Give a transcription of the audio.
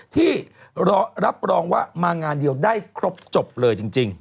ที่รับรองว่ามางานเดียวได้ครบจบเลยจริง